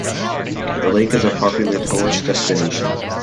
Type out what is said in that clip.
The lake is a popular tourist destination.